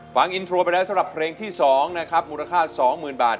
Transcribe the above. ฟังอินโทรไปแล้วเพื่อเพลงที่สองนะมูลค่า๒๐๐๐๐บาท